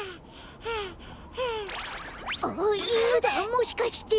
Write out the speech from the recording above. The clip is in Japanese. もしかして。